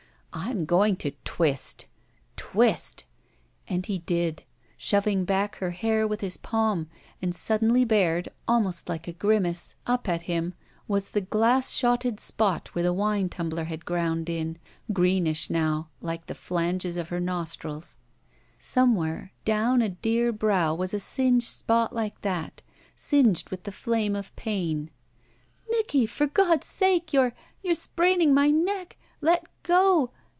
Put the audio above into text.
I'm going to twist — ^twist —" And he did, shoving back her hair with his palm, and suddenly bared, almost like a grimace, up at 17 251 ROULETTE him, was the glass ehotted spot where ibe wine tumbler had ground in, greenish now, like tise flanges of her nostrils. Somewhere — down a dear brow was a singed spd like that — singed with the flame at pain — "Nicky, for God's sake — you're — ^you're sprain ing my neck! Let go!